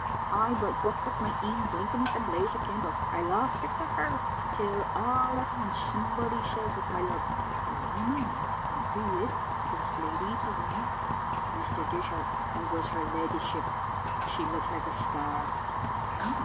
Ay, but what wi' my een blinking at the blaze o' candles, I lost sicht o' her till all at aince somebody says at my lug, * Well, my man, and who is the prettiest lady in the room?' Mr. Dishart, it was her leddyship. She looked like a star."